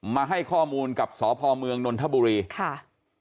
มาให้ข้อมูลกับสพเมืองนนทบุรีค่ะ